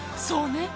そうね！